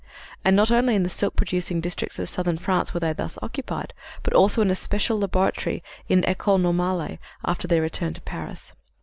And not only in the silk producing districts of Southern France were they thus occupied, but also in a special laboratory in École Normale, after their return to Paris.